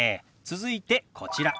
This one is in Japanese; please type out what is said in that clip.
続いてこちら。